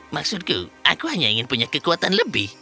maksudku aku hanya ingin punya kekuatan lebih